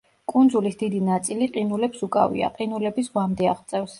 კუნძულის დიდი ნაწილი ყინულებს უკავია, ყინულები ზღვამდე აღწევს.